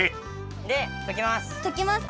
でときます。